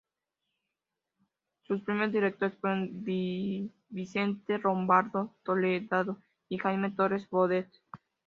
Sus primeros directores fueron Vicente Lombardo Toledano y Jaime Torres Bodet.